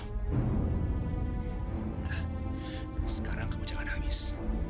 sudah sekarang kamu jangan nangis